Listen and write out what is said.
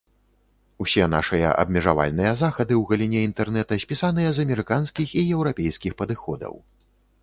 Усе нашыя абмежавальныя захады ў галіне інтэрнэта спісаныя з амерыканскіх і еўрапейскіх падыходаў.